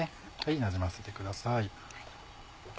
なじませてください。